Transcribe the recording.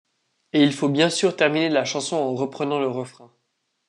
Et il faut bien sûr terminer la chanson en reprenant le refrain.